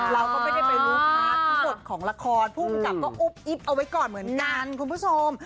ในรูปภาษาของละครผู้กลับก็อุ๊บอิ๊บเอาไว้ก่อนเหมือนกันคุณผู้ชม